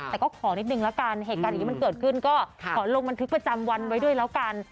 แต่ก็ขอนิดนึงละกันเหตุการณ์อย่างนี้มันเกิดขึ้นก็ขอลงบันทึกประจำวันไว้ด้วยแล้วกัน